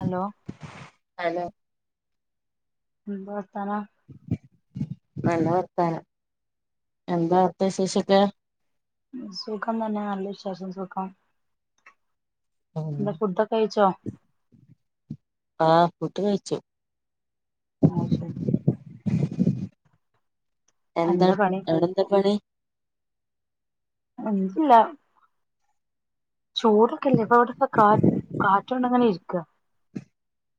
Hello hello ഉം പറ നല്ല വർത്തനം എന്താ അവിടെ വിശേഷം ഓക്കേ സുഖം നല്ലവിശേഷം സുഖം ആ എന്താ ഫുഡൊക്കെ കഴിച്ചോ ആഹ് ഫുഡ് കഴിച്ചു ആ ശരി എന്താ അവടെ എന്താ പണി [unintelligible] ചൂടൊക്കെല്ലേ ഇപ്പം അവിടെക്കെ കാറ്റ് കാറ്റോണ്ട് അങ്ങനെ ഇരിക്ക്യ.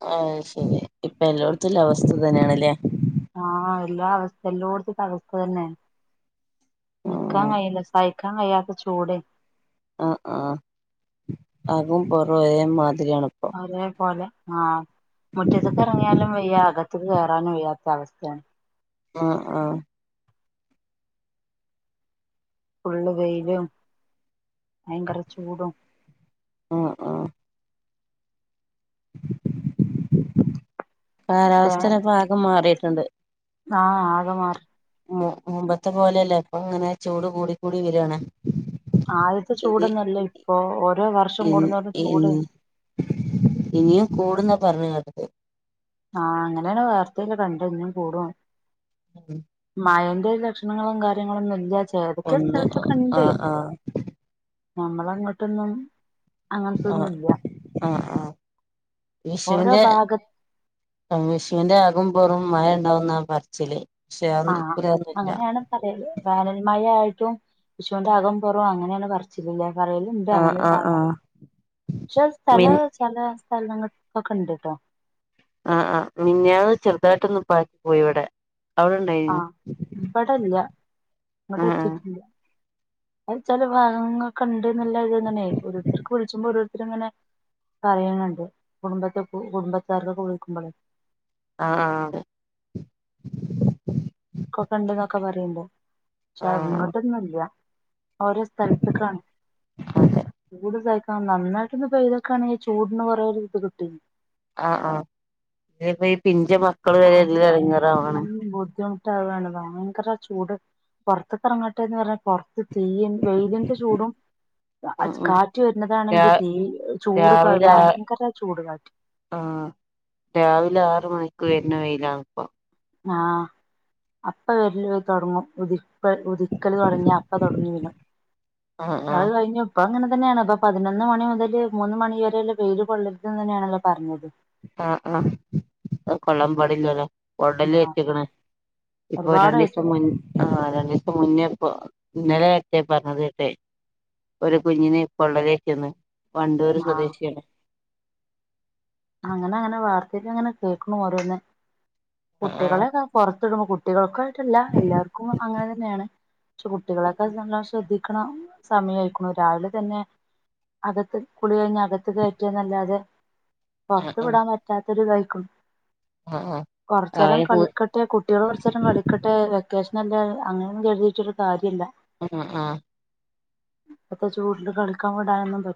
ആ ശരി ഇപ്പം എന്നോട് [unintelligible] അവസ്ഥ തന്നെയാണല്ലോ ഇതാ അവസ്ഥ എല്ലാടത്തുംഇതാ അവസ്ഥ തന്നെ നിക്കാൻ ഉം. കഴിയില്ല സയി നിക്കാൻ കഴിയാത്ത ചൂടാണ് ആഹ് ആഹ് അതും പൊറവേ മതി അതേ പോലെ ആഹ് മുറ്റത്തൊക്കെ ഇറങ്ങിയാനും വയ്യ അകത്ത് കേറാനും വയ്യാത്ത അവസ്ഥയാണ് ആഹ് ആഹ് ഫുൾ വെയിലും ഭയങ്കര ചൂടും ആ ആ ഫാൻ കാലാവസ്ഥ ഇപ്പം ആകെ മാറി ണ്ട് ആഹ് ആകമാറി മു മുമ്പത്തെ പോലെയല്ല ഇപ്പൊ അങ്ങനെ ചൂട് കൂടിക്കൂടി വരാണ് ആദ്യത്തെ ചൂടൊന്നുല്ല ഇപ്പൊ ഓരോ വർഷം ഇ കൂടുന്തോറും ചൂട് ഇനി ഇനിയും കൂടുന്ന പറഞ്ഞു കേട്ടത് ആഹ് അങ്ങനെയാണ് വാർത്തയില് കണ്ടത് ഇനീം കൂടൂന്ന് ഉം ഉം അയിന്റെ ഒരു ലക്ഷണങ്ങളും കാര്യങ്ങളും [unintelligible] ഒന്ന് ആഹ് ആഹ് നമ്മളങ്ങോട്ടൊന്നും അങ്ങനത്തതൊന്നും ഇല്ല വിഷൂന് വിഷൂന്റെ മുമ്പുറോം മഴ ഇണ്ടാവൂന്നാ പറിച്ചില് ആഹ അങ്ങനെയാണ് പറയല് വേനൽ മഴ ആയിട്ട് ട്ടും വിഷൂന്റെ അകവും പൊറവും അങ്ങനെയാണ് പറിച്ചില്ലില്ലേ പറയല് ഇണ്ട് ആഹ് അങ്ങനെ ആഹ് സാധാരണ ആഹ് പക്ഷെ മിൻ സ്ഥലം ചെല സ്ഥലങ്ങൾക്കൊക്കെണ്ട് കേട്ടോ ആ ആ മെന്നയാന്ന് ചെറുതായിട്ടൊന്ന് പാറ്റി പോയിവിടെ ആ ഇവിടില്ല ഇവിടെ ആഹ് എത്തിട്ടില്ല അത് ചെല ഭാഗങ്ങക്ക നല്ല [unintelligible] തന്നെ ഓരോത്തർക്ക് വിളിച്ചുമ്പോ ഓരോരു അവരങ്ങനെ പറയണെണ്ട് കുടുംബത് കുടുംബത്താർക്കൊക്കെ വിളിക്കുമ്പളെ ആ ആ ഒക്കെ കണ്ടന്നൊക്കെ പറയുമ്പോ പക്ഷെ ആഹ് ആഹ് ഇങ്ങോട്ടൊന്നും ഇല്ല ഓരോ സ്ഥലത്ത് കാണും അതെ കൂടുതൽ ആ നന്നായിട്ടൊന്ന് പെയ്തൊക്കെ ആണെ ഈ ചൂടിന്ന് കൊറെയൊരു ഇത് കിട്ടീനെ ആ ആ ഇതിപ്പം ഈ പിഞ്ചു മക്കള് വരെ എല്ലാം ഇടങ്ങേറാവണ് തതാണ് ഭയങ്കര ചൂട് പൊറത്ത് കറങ്ങട്ടെന്ന് പറഞ്ഞാൽ പൊറത്ത് തീയും വെയിലിന്റെ ചൂടും ഉം കാറ്റ് ഉം കാറ്റ് രാ വരുന്നതാണെങ്കിൽ തീ ചൂട് രാവിലെ ആ ഭയങ്കര ചൂട് കാറ്റ് വെർന വെയിലാണിപ്പ ആ അപ്പ വരില് തൊടങ്ങും ഉതിപ്പ ഉതിക്കൽ തുടങ്ങിയ അപ്പ തുടങ്ങ വനും ആഹ് ആഹ് അത് കഴിഞ്ഞിപ്പങ്ങനെ തന്നെയാണ് അപ്പൊ പതിനൊന്ന് മണി മുതല് മൂന്ന് മണി വരെയല്ല വെയില് കൊള്ളരുതന്ന് തന്നെയാണല്ലോ പറഞ്ഞത് ആ ആ കൊള്ളാൻ പാടില്ലല്ലോ ഉടല് ആഹ് വെച്ചക്കണ് ഇപ്പൊ ഒരുപാട് രണ്ടീസം പറ്റും. മുൻ ആ രണ്ടീസം മുന്നേ പൊ ഇന്നലെ എട്ടെ പറഞ്ഞത് കേട്ടെ ഒരു കുഞ്ഞിന് പൊള്ളലേറ്റ്ന്ന് വണ്ടൂര് ആ സ്വദേശിയണ് അങ്ങനെ അങ്ങനെ വാർത്തക്ക് അങ്ങനെ കേൾക്കണ ഓരോന്നെ ആഹ് കുട്ടികളെണെ കൊർ [unintelligible] കുട്ടികൾക്ക് ആയിട്ടല്ല എല്ലാർക്കും അങ്ങനെ തന്നെയാണ് പക്ഷെ കുട്ടിക്കയ്ടല്ല നല്ല ശ്രദ്ധിക്കണം സമയം ആയിക്കണു രാവിലെ തന്നെ അകത്ത് കുളി കഴിഞ്ഞ അകത്ത് കയറ്റംനല്ലാതെ പൊറത്തു വിടാൻ പറ്റാത്തൊരിതായി ക്ക ആ ആ കൊറച്ചേരം കളിക്കട്ടെ കുട്യോളു കൊറച്ചേരം കളിക്കട്ടെ വെക്കേഷ് നല്ല അങ്ങനൊന്നും കരുതിയിട്ടൊരു കാര്യല്ല ആ ആ ഇപ്പത്തെ ചൂടില് കളിക്കാൻ വിടാനൊന്നും പ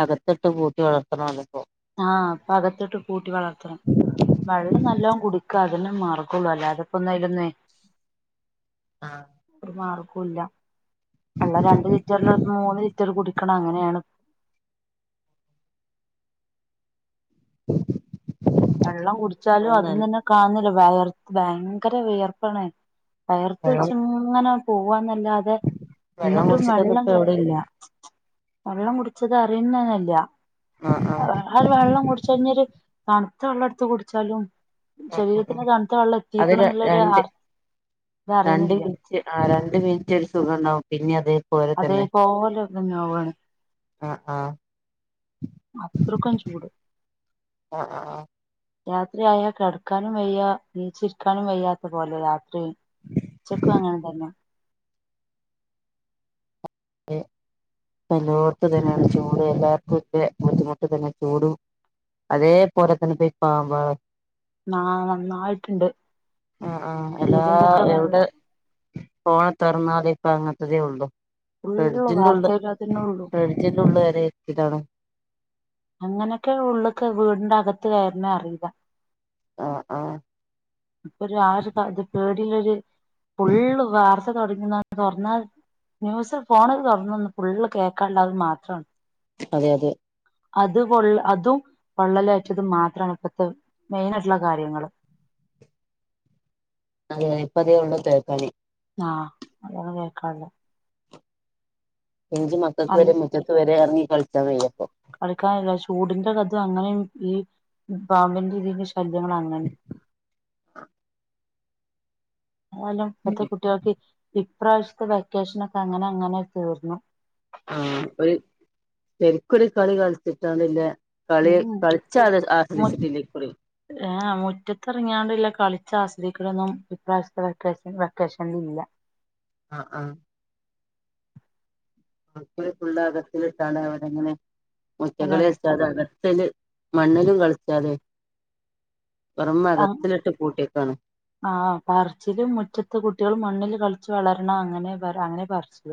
അതെ ത്ത്ട്ട് പൂട്ടി വളർത്തണോലിപ്പം ആഹ് ഇപ്പകത്തിട്ട് പൂ ട്ടി വളർത്തണം. വെള്ളം നല്ലോം കുടിക്കാ അതെന്നെ മാർഗൊള്ളൂ. അല്ലാതെപ്പൊന്ന് അയ്ലൊന്ന് ആഹ് കുല്ല ഇള്ള രണ്ട് ലിറ്റർൽ ഒര് മൂന്ന് റ്റർ കുടിക്കണം അങ്ങനേണ് വെള്ളം ഇപ്പൊ കുടിച്ചാലും അതും നല്ല തന്നെ കാണുന്നില്ല വയർ ഭയങ്കര വിയർപ്പാണ് വെള്ളം വെയർപ്പ്ച്ചിങ്ങനെ പോവാൻനാ അല്ലാതെ വെള്ളം ഇങ്ങോട്ടും കുടിച്ചിട്ടൊന്നും വെള്ളം ഇപ്പ തെ എവിടെയില്ല വെള്ളം കുടിച്ചത് അറിയുന്നതന്നല്യ ആഹ് ആഹ് അഹര് വെള്ളം കുടിച്ചഴിഞ്ഞരു കാണും എത്ര വെള്ളടുത്ത് കുടിച്ചാലും ഉം ഉം ഉം ശരീരത്തിന് തണുത്ത വെള്ളം അത് ര എത്തിക്കണം എന്നുള്ളരു രണ്ട് ആ ഇത്‌ രണ്ട് അറിയന്നില്ല മിനിറ്റ് ആ രണ്ട് മിനിറ്റ് ഒരുസുഖ ഉണ്ടാവും പിന്നെ അതെ അതേ പോലോന്ന് നോവാണ് ആ ആ അത്രക്കും ചൂട്. ആഹ് ആഹ് രാത്രിയയാ കിടക്കാനും വയ്യ എനിച്ച് ഇരിക്കാനും വയ്യാത്ത പോലെ രാത് റെ ചെക്ക് വാങ്ങാൻ തെരനോ ക്ക് എല്ലോർക്കു ഇതന്നെയാണ് ചൂട് എല്ലാർക്കും ഇത് ബുദ്ധിമുട്ട് തന്നെ ചൂടും അതേപോലെ തന്നെ പാമ്പാ [unintelligible] നന്നായിട്ട്ണ്ട്. ആഹ് ആഹ് എല്ലാ എവിടെ പോണ് തൊറന്നാല് ഇപ്പൊ അങ്ങൻത്തതേ ഉള്ളൂ ഫുള്ള് ഫ്രിഡ്ജിന്റുള്ള് വാർത്തയിലതന്നെള്ളു ഫ്രിഡ്ജിന്റുള്ള് [unintelligible] അങ്ങനൊക്കെ ഉള്ളക്ക് വീടിന്റെ അകത്ത് കയറുന്നേ അറിയുക ആ ആ ഇപ്പൊ ഒരു ആ ഒരുത് പേടിൽരു ഫുള്ള് വാർത്ത തുടങ്ങുന്നന്ന് തുറന്നാ ന്യൂസ് ഫോണില് തുറന്നന്ന് ഫുള്ള് കേക്കാനുള്ള അത് മാത്രമാണ് അതെ അതെ. അത് കൊള്ള അതും വള്ളലേറ്റതും മാത്രമാണ് ഇപ്പഴത്തെ മെയിന ആയിട്ടുള്ള കാര്യങ്ങള് അത ഇപ്പത ഉള്ള കേക്കാളി ആഅതന്നെ കേക്കാള്ളോ എനിക്ക് മക്കൾക്ക് വരെ നല്ല മുറ്റത്ത് വരെ ഇറങ്ങി. കളിച്ച വയ്യ അപ്പൊ കളിക്കാനില്ല ചൂടിന്റെ കഥ അങ്ങനെ ഈ പാമ്പന്റെ രതി ശല്യങ്ങ അങ്ങനെ എന്നാലും ഇപ്പത്തെ കുട്ടികൾക്ക് ഇപ്രാവശ്യത്തെ വെക്കേഷൻ ഒക്കെ അങ്ങനെ അങ്ങനെ തീർന്നു ആ ഒരു പെരിക്കുടി കളി കളിച്ചട്ടാണല്ലേ? കളി ഉം കളിച്ചാതെ മു ആശ്രയിച്ചിട്ടില്ലേ ഈ കുറി ആസ്വദിക്കടൊന്നും ഇപ്രാവശ്യത്തെ വെേഷ വെക്കേഷനില ആഹ ആഹ [unintelligible] ആക്കുള്ള അകത്തട്ടാണ് അവടെങ്ങനെ അതാണ് മറ്റളസ് അ [inaudible] ല് മണ്ണലും കളിച്ചാലേ പുറമെ മകത്തിലിട്ട് കൂട്ടിക്കാണ് ആ പറിച്ചിലും മുറ്റത്ത് കുട്ടികൾ മണ്ണിൽ കളിച്ചു വളരണം അങ്ങനെ പറ അങ്ങനെ പറിച്ചില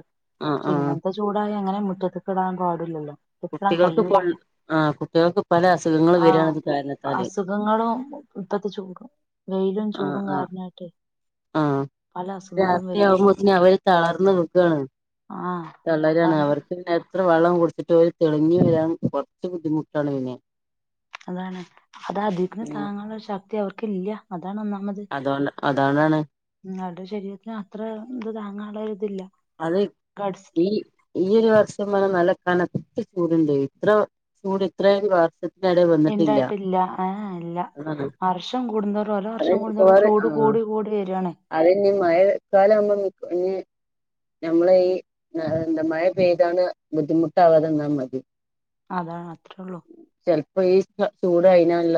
ആഹ് പക്ഷെ ആഹ് ഇങ്ങനത്തെ ചൂടായി അങ്ങനെ മുറ്റത്ത് കിടാൻ പാടില്ലല്ലോ മുറ്റത്ത്ക്കിടാൻ കുട്ടികൾക്ക് കൊ കഴിയൂല ആ കുട്ടികൾക്ക് പല അസുഖങ്ങൾ ആഹ് വരാണ്ത് കാരണത്താൽ അസുഖങ്ങളും ഇപ്പത്തെ ചൂടും വെയിലും ആ ചൂടും ആ കാരണായിട്ടെ ആ പല അസുഖങ്ങളും രാത്രി വരാണ് ആകുമ്പോത്തന അവര് തളർന്ന് വീഴാണ് തളരാണ് ആഹ് തളരണ് അതാണ് അവർക്ക് അത്ര വെള്ളം കൊടുത്തിട്ട് പോലും തെളിഞ് വരാൻ കുറച്ച് ബുദ്ധിമുട്ടാണ് പിന്നെ അതാണ് അത അധികന് ആഹ് താങ്ങാനുള്ള ഒരു ശക്തി അവർക്ക് ഇല്ല താണ് ഒന്നാമത്, അതോണ്ട് അതോണ്ടാണ് കുഞ്ഞങ്ങടെ ശരീരത്തിന് അത്ര ത്തു താങ്ങാൻ ണത്തില്ല അത് ഈ ഈ ഒരു വർഷം നല്ല കനത്തചൂടുണ്ട് ഇത്ര ചൂട് ഇത്രയും വർഷ ഇതുവരെ വന്നിട്ടില്ല ഉണ്ടായിട്ടില്ല ആ ഇല്ല അതുനേ വർഷം കൂടുന്തോറും ഓരോ വർഷം കൂടുന്തോറും ചൂട് ആ കൂടി കൂടി വരികയാണ് അയിന് ഇനി മഴക്കാലം ഇനി നമ്മള ഈ എന്താ മഴ പെയ്താണ് ബുദ്ധിമുട്ടാവാത എന്നാൽ മതി അതാണ് അത്രേ ഉള്ളു [unintelligible]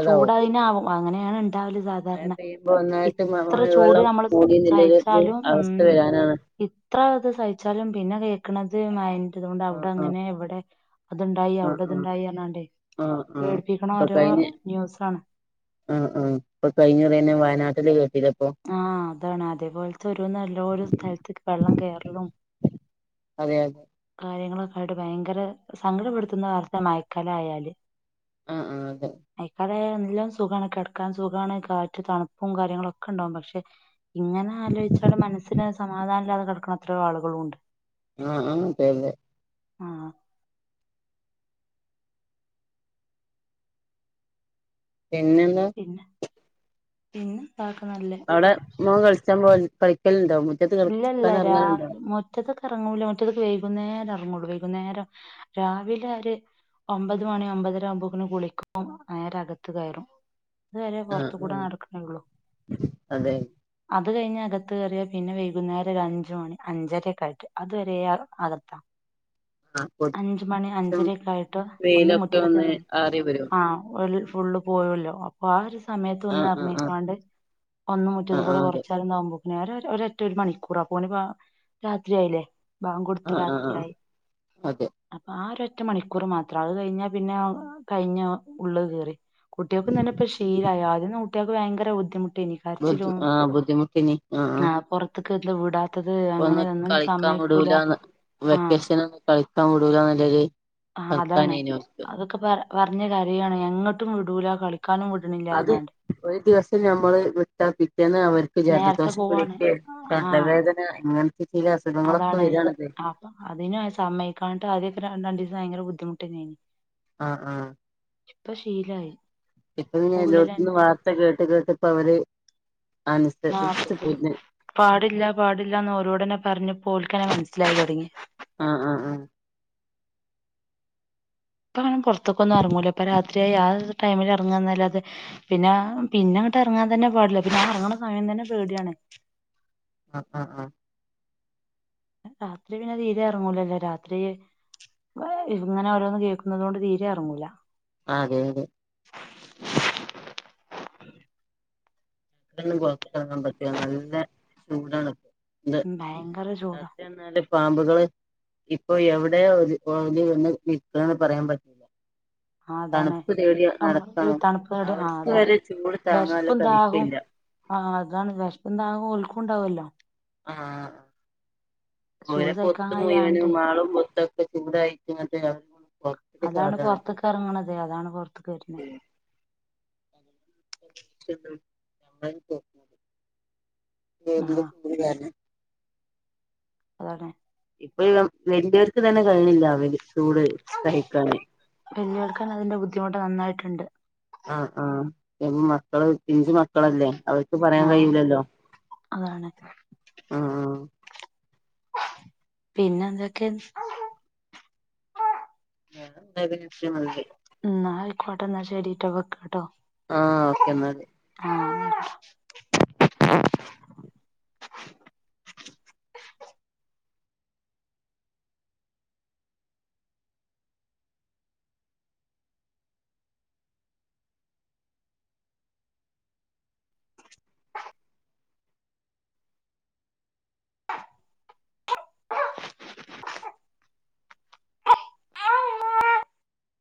ചൂട് അതിന ആാവും അങ്ങനെയാണ് ഉണ്ടാവല മഴ സാധാരണ പെയ്യുമ്പോ ഒന്നായിട്ട് ഇത്ര ചൂട് മഴവെള്ളം നമ്മൾ മൂടി എന്നുള്ളൊരു ഇത് സഹിച്ചാലും അവസ്ഥ ഉം വരാനാണ് ഇത്ര സഹിച്ചാലും പിന്നെ കേൾക്കണത് മഴന്റെ ആഹ് ഇതോണ്ട്അവിടെ ആഹ് അങ്ങനെ എവിടെ അതുണ്ടായി ആഹ് അവിടെ ആഹ് ഇത്ണ്ടായി എന്നണ്ടേ പേടിപ്പിക്കണ ഓരോ ന്യൂസാണ് ആ ആഹ ഇപ്പൊ കഴിഞ്ഞ ത തന്നെ വയനാട്ട ട്ടിൽ കേട്ടിലേ ആഹ അതാണ് അതേപോലത്തെ ഒരു നല്ലൊരു സ്ഥലത്തേക്ക് വെള്ളം കയറലും അതെ അ കാര്യങ്ങളൊക്കായിട്ട് ഭയങ്കര സങ്കടപ്പെടുത്തുന്ന വാർത്ത മഴക്കാലാ ആയാല് ആഹ് ആഹ അതെ മഴക്കാലായ എല്ലാം സുഖമാണ് കിടക്കാൻ സുഖമാണ് കാറ്റ് തണുപ്പും കാര്യങ്ങളും ഒക്കെ ഉണ്ടാകും പക്ഷെ ഇങ്ങനെ ആലോചിച്ചടെ മനസ്സിന് സമാധാനല്ലാതെ നടക്കണ അത്ര ആളുകളുണ്ട് [unintelligible] ആഹ് പിന്നെന്താ [inaudible] പിന്നെ താക്ക നല്ല അവിടെ മോൻ കളിച്ചാൻ പോക കളിക്കൽ ണ്ടോ മുറ്റത്ത് ഇല്ല ഇല്ല കളിക്കാൻ രാ ഇറങ്ങലുണ്ടോ മുറ്റത്തൊക്കെ ഇറങ്ങൂല മുറ്റത്തേക്ക് വൈകുന്നേരം ഇറങ്ങോള്ളൂ വൈകുന്നേരം രാവിലെ ആര് ഒമ്പത് മണി ഒമ്പതര ആകുമ്പോക്കെ കുളിക്കും നേരെ അകത്ത് കയറും അതുവരെ ആഹ് പുറത്തുകൂടെ ആഹ് നടക്കണേള്ളൂ അതെ അത് കഴിഞ്ഞ അകത്ത് കയറിയ പിന്നെ വൈകുന്നേരം ഒരു അഞ്ചു മണി അഞ്ചരക്കായിട്ട് അത് വരെ അകത്താ ആഹ് പൊതും അഞ്ച്മണി അഞ്ചരക്ക ആയിട്ട് ഒന്ന് വെയിലൊക്കെ മുറ്റത്തൊക്കെ ഒന്ന് ഇറങ്ങി ആറി വരും ആ ഫുള്ള് പോയല്ലോ അപ്പൊ ആ ഒരു സ സമയത്ത് ആഹ് ഒന്ന ആഹ് ആഹ് ഇറങ്ങിിക്കാണ്ട് ഒന്ന് മുറ്റത്ത് ആഹ് കൂടെ ആഹ് അതെ കുറച്ച് [unintelligible] നേരെ ഒ എറ്റ ഒരു മണിക്കൂറാ അപോന് രാത്രിയയില്ലേ ബാങ്ക് കൊടുത്ത് ആഹ് ആഹ് ആഹ് രാത്രിയായി അതെ അപ്പൊ ആ ഒരു ഒറ്റ മണിക്കൂർ മാത്രം അത് കഴിഞ്ഞാൽ പിന്നെ കഴിഞ്ഞ ഉള്ള് കേറി കുട്ടികൾക്കും ഇതന്നെപ്പ ശീലായിആദ്യ മറ്റേ ഭയങ്കര ബുദ്ധിമുട്ട ബുദ്ധി ആഹ് ബുദ്ധിമുട്ടിനി ആഹ ആഹ ആഹ് [unintelligible] അങ്ങനെ ഒന്ന് ഒന്നിനും കളിക്കാൻ സമ്മയ്ക്കൂല വിടൂലാന്ന് ആഹ് വെക്കേഷന് കളിക്കാൻ വീടുല [unintelligible] പറഞ്ഞ കരയാണ് എങ്ങോട്ടും വിടൂ ല കളിക്ക അത് ഒരു ദിവസം ഞമ്മള് വിട്ടാപെറ്റെന്ന് അവർക്ക് നേരത്തെ ജലദോഷം പോവാണ് കുളിക്ക ആഹ് തലവേദന ഇങ്ങനത്തെ ചില അസുഖങ്ങളൊക്കെ വരണത് സമ്മയിക്കാട്ട് അതൊക്കെ രണ്ടിസ ഭയങ്കര ബുദ്ധിമുട്ടിനി ആഹ് ആഹ് ഇപ്പൊ ശീലായി [unintelligible] എല്ലോട്ത്ത്ന്നും ഉള്ളിലന്നെ വാർത്ത കേട്ട് കേട് [unintelligible] അവര് ആഹ് അനുസരിച്ച് പോര്ന് പാടില്ല പാടില്ലാന്ന് ഓരോടന്നെ പ പറഞ്ഞപ്പോ ഓൽക്കെന്നെ മനസിലായി തൊടങ്ങി ആഹ് ആഹ് ആഹ് ഇപ്പങ്ങനെ പോർത്തെക്കൊന്നും ഇറങ്ങൂലേ ഇപ്പ രാത്രിയായ ആ ടൈമിൽ ഇറങ്ങാന്നാല്ലാതെ പിന്ന പിന്നങ്ങട്ട് എറങ്ങാൻ തന്നെ പാടില്ല പിന്നെ എറങ്ങണ സമയം തന്നെ പേടിയാണ് ആഹ് ആഹ് ആഹ് രാത്രി പിന്നെ തീരെ ഇറങ്ങൂലല്ലേ രാത്രി ഇങ്ങനെ ഓരോന്നും കേൾക്കുന്നതോണ്ട് തീരെ ഇറങ്ങൂല ആഹ് അതെ അതെ [unintelligible] പൊറത്തിറങ്ങാൻ പറ്റൂല്ല നല്ല ചൂടാണ് [unintelligible] ഉം ഭയങ്കര ചൂടാ രാത്രിയാന്നേലും പാമ്പുകള് ഇപ്പൊ എവിടെ ഒരു [unintelligible] നിൽക്കണ്ന്ന് പറയാൻ പറ്റി ആ അതാണ് തണുപ്പ് തേടിയ ഒരു നടത്തണം തണുപ്പട് അവർക്ക് വരെ ചൂട് താങ്ങാൻള്ള കഴി ഓഹ് ആ അതാണ് വിശപ്പും ദാഹവും കുണ്ടാവല്ലോ ആഹ് ഓരെ ചൂട് സഹിക്കാൻ പൊത്തും മുയുവനും കഴിയാണ്ടെ മാളും പൊത്ത് ഇപ്പം ചൂടായി ഇങ്ങനത്തെയാ അതാണ് പൊറത്തേക്ക് ഇറങ്ങണതേ അതാണ് പുറത്തേക്ക് വരുന്നേ [inaudible] ടെബിള് ആഹ് പുതിതാണ് അതാണെ ഇപ്പൊ [unintelligible] വലിയവർക്ക് തന്നെ കഴിയുന്നില്ല അവര് ചൂട് സഹിക്കാന് വലിയ ആൾക്കാണ് അതിന്റെ ബുദ്ധിമുട്ട് നന്നായിട്ട് രണ്ട് ആഹ് ആഹ് മക്കള് പിഞ്ചു മക്കളല്ലേ അവ പറയാൻ ആഹ് കഴിയൂലല്ലോ അതാണ് ആ ആ ആ പിന്നെ എന്തൊക്കെണ് [unintelligible] നായ് ക്കോട്ടെ എന്നാ ശരിട്ടോ വെക്കാട്ടോ ആഹ് ഓക്കെ ന്നാല് ആ